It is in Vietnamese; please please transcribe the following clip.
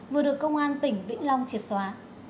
vừa được công an tỉnh vĩnh long triệt xóa